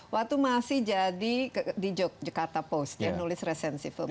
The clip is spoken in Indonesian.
waktu masih jadi di jakarta post dia nulis resensi film